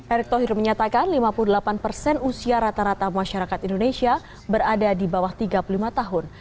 erick thohir menyatakan lima puluh delapan persen usia rata rata masyarakat indonesia berada di bawah tiga puluh lima tahun